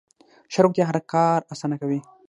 ښه روغتیا هر کار اسانه کوي.